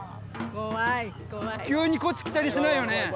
急にこっち来たりしないよね？